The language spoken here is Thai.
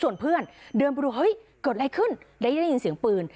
ส่วนเพื่อนเดินไปดูเฮ้ยเกิดอะไรขึ้นได้ยินเสียงปืน